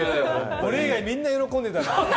俺以外みんな喜んでたよ。